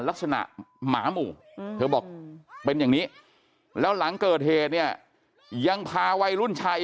ลักษณะหมาหมู่เธอบอกเป็นอย่างนี้แล้วหลังเกิดเหตุเนี่ยยังพาวัยรุ่นชาย